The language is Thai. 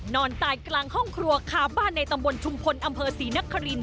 นอนตายกลางห้องครัวคาบ้านในตำบลชุมพลอำเภอศรีนคริน